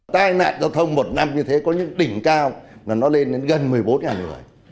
tai nạn giao thông một năm như thế có những đỉnh cao là nó lên đến gần một mươi bốn người